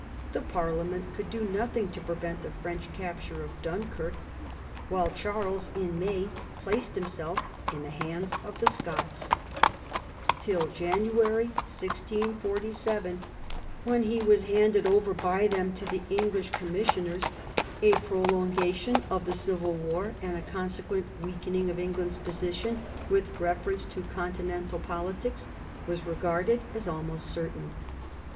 The parliament could do nothing to prevent the French capture of Dunkirk, while Charles in May placed himself in the hands of the Scots, Till January 1647, when he was handed over II THE REBELLION IN ENGLAND 36 by them to the English Commissioners, a prolongation of the Civil War, and a consequent weakening of England^s position with reference to continental poli tics, was regarded as almost certain.